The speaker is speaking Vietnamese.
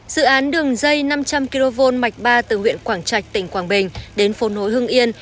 dự án đường dây năm trăm linh kv mạch ba từ huyện quảng trạch tỉnh quảng bình đến phố nối hưng yên